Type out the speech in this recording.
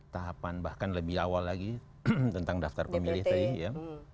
tahapan bahkan lebih awal lagi tentang daftar pemilih tadi ya